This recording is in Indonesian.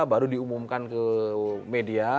baru diumumkan ke media